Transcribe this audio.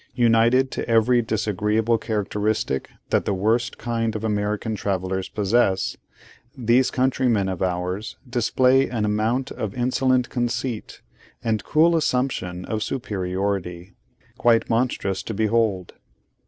United to every disagreeable characteristic that the worst kind of American travellers possess, these countrymen of ours display an amount of insolent conceit and cool assumption of superiority, quite monstrous to behold.